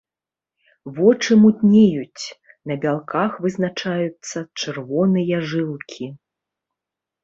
Вочы мутнеюць, на бялках вызначаюцца чырвоныя жылкі.